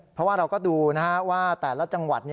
เพราะว่าเราก็ดูว่าแต่ละจังหวัด